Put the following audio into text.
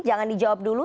jangan dijawab dulu